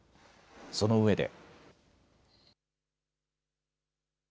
そのうえで。